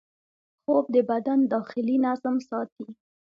خوب د بدن داخلي نظم ساتي